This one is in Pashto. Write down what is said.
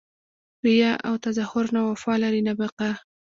ریاء او تظاهر نه وفا لري نه بقاء!